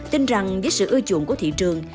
tin rằng với sự ưu chuộng của thị trường